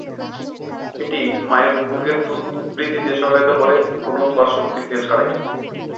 এটি মায়ের বুকের দুধ বৃদ্ধিতে সহায়তা করে কোন পার্শ্বপ্রতিক্রিয়া ছাড়াই।